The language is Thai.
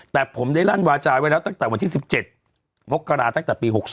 แต่ผมได้ลั่นวาจาไว้แล้วตั้งแต่วันที่๑๗มกราตั้งแต่ปี๖๓